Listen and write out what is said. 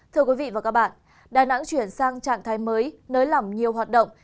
thưa quý vị và các bạn đà nẵng chuyển sang trạng thái mới nới lỏng nhiều hoạt động